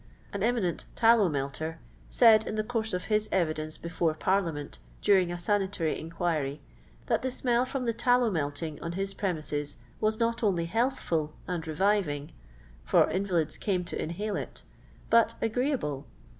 An eminent tallow melter said, in the course of his evidence before Parliament during a sanitary in quiry, that the smell from the tallow melting on his premises was not onl^ healthful and reviving — ^for invalids came to mhale it — ^but agreeable.